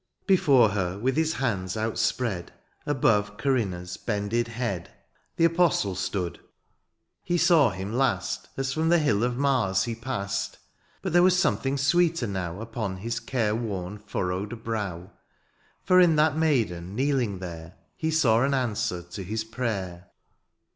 Before her, with his hands ovtspread Above Corinna's bended head ^' 32 DIONYSIUS, The apostle stood : he saw him last As from the hill of Mars he past ; But there was something sweeter now Upon his careworn furrowed brow ; For in that maiden kneeling there He saw an answer to his prayer.